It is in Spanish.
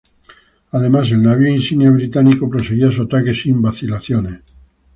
Además el navío insignia británico proseguía su ataque sin vacilaciones.